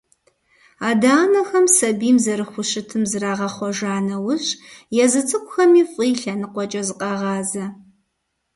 Адэ-анэхэм сабийм зэрыхущытым зрагъэхъуэжа нэужь, езы цӀыкӀухэми фӀы и лъэныкъуэкӀэ зыкъагъазэ.